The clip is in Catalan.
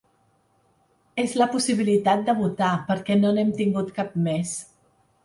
És la possibilitat de votar perquè no n’hem tingut cap més.